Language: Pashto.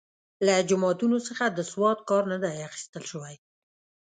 له جوماتونو څخه د سواد کار نه دی اخیستل شوی.